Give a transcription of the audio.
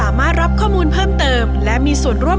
เขาร้องได้ไข่หลาง